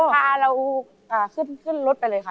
พาเราขึ้นรถไปเลยค่ะ